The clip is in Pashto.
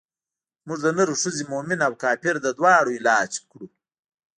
موږ د نر او ښځې مومن او کافر د دواړو علاج کړو.